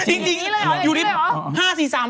ต้องปล่อยคีทหรอ